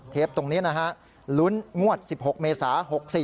ตรงนี้นะฮะลุ้นงวด๑๖เมษา๖๔